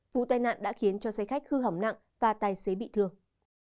vụ tai nạn đã khiến cho xe khách hư hỏng nặng và tài xế bị thương